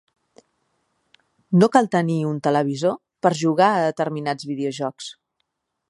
No cal tenir un televisor per jugar a determinats videojocs.